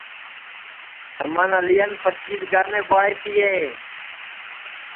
سمن اعلیان پچیس گانیں گُوائے تیے